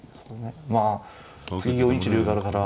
まあ次４一竜があるから。